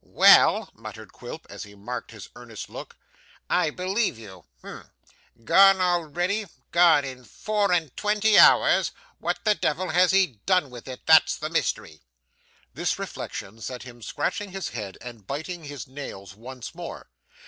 'Well!' muttered Quilp as he marked her earnest look. 'I believe you. Humph! Gone already? Gone in four and twenty hours! What the devil has he done with it, that's the mystery!' This reflection set him scratching his head and biting his nails once more.